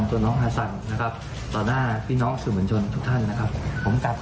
ครอบครัวน้องไอซันต่อหน้าพี่นอกสุมารชนทุกท่านนะครับ